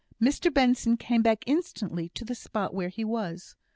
Mr Benson came back instantly to the spot where he was.